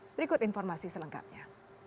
berikut informasi selengkapnya